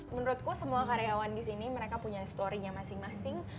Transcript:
menurutku semua karyawan di sini mereka punya story nya masing masing